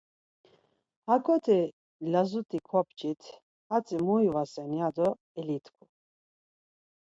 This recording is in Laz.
Akoti lazut̆i kopçit hatzi mu ivasen ya do elitku.